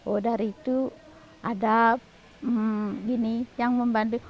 oh dari itu ada yang membantu